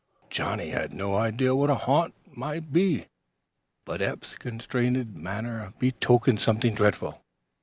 Johnnie had no idea what a "ha'nt" might be, but Eph's constrained manner betokened something dreadful.